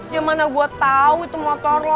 ya mana gua tau itu motor lu